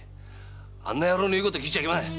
あんな野郎の言うこと聞いちゃいけません。